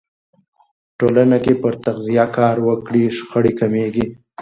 ټولنه که پر تغذیه کار وکړي، شخړې کمېږي.